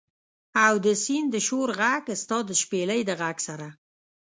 او د سیند د شور ږغ، ستا د شپیلۍ د ږغ سره